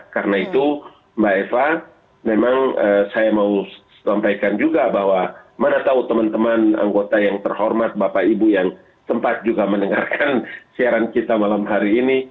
karena itu mbak eva memang saya mau sampaikan juga bahwa mana tahu teman teman anggota yang terhormat bapak ibu yang tempat juga mendengarkan siaran kita malam hari ini